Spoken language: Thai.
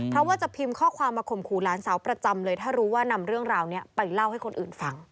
เพราะว่าจะพิมพ์ข้อความมาข่มขู่หลานสาวประจำเลยถ้ารู้ว่านำเรื่องราวนี้ไปเล่าให้คนอื่นฟัง